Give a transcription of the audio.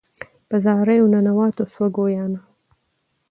په زاریو ننواتو سوه ګویانه